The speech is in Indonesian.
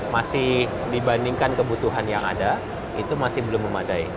masih dibandingkan kebutuhan yang ada itu masih belum memadai